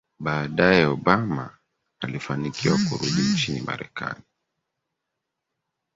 Baadae Obama alifanikiwa kurudi nchini Marekani